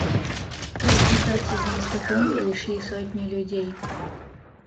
Развітацца з мастаком прыйшлі сотні людзей.